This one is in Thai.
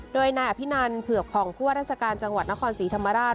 โดยนายอภินันเผือกผ่องผู้ว่าราชการจังหวัดนครศรีธรรมราช